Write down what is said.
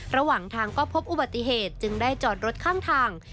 ระหว่างทางก็พบอุบัติเหตุจึงได้จอดรถข้างทาง